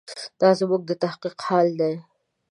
دا زموږ د تحقیق حال دی.